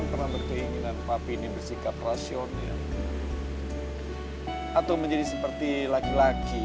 belakangan ini sih gue udah ga main musik lagi